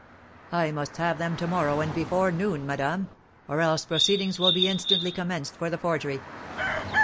"I must have them to morrow, and before noon, madame; or else proceedings will be instantly commenced for the forgery."